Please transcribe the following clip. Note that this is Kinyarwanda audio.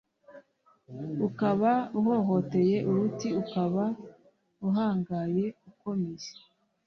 ukaba uhotoye uruti: ukaba uhangaye, ukomeye